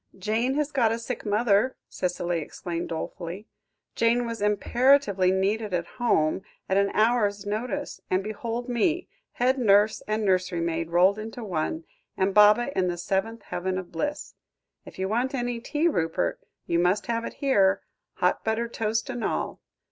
"Jane has got a sick mother," Cicely explained dolefully; "Jane was imperatively needed at home, at an hour's notice and behold me, head nurse and nursery maid rolled into one, and Baba in the seventh heaven of bliss. If you want any tea, Rupert, you must have it here hot buttered toast and all.